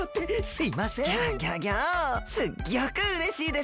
すっギョくうれしいですよ。